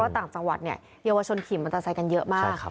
ว่าต่างจังหวัดเยาวชนผิมมันต่อใส่กันเยอะมาก